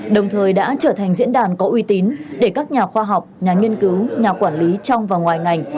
đồng thời đã trở thành diễn đàn có uy tín để các nhà khoa học nhà nghiên cứu nhà quản lý trong và ngoài ngành